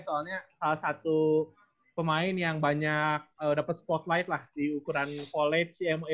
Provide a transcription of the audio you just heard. soalnya salah satu pemain yang banyak dapat spotlight lah di ukuran college cmo